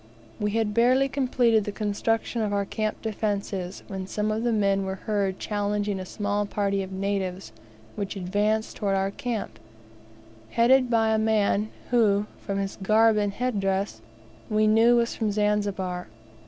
We had barely completed the construction of our camp defences when some of the men were heard challenging a small party of natives which advanced towards our camp, headed by a man who, from his garb and head dress, we knew was from Zanzibar.